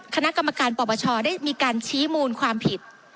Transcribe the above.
คณะกรรมการปปชได้มีการชี้มูลความผิด